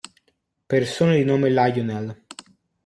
Persone di nome Lionel